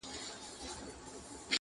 چي له ستوني دي آواز نه وي وتلی،